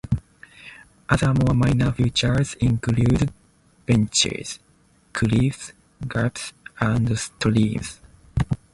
Other more minor features include benches, cliffs, gaps, and streams.